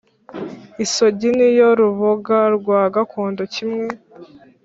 isogi ni yo ruboga rwa gakondo kimwe